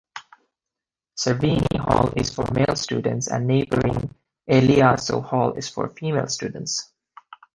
Cervini Hall is for male students, and neighboring Eliazo Hall is for female students.